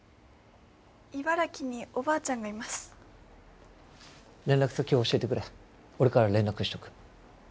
茨城におばあちゃんがいます連絡先を教えてくれ俺から連絡しとく